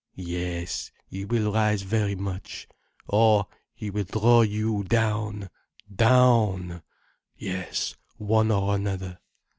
Yes, he will rise very much. Or he will draw you down, down—Yes, one or another.